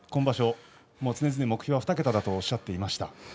目標は２桁だとおっしゃっていました。